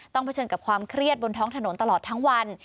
เผชิญกับความเครียดบนท้องถนนตลอดทั้งวัน